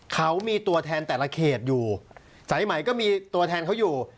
เขามีตัวแทนแต่ละเขตอยู่สายใหม่ก็มีตัวแทนเขาอยู่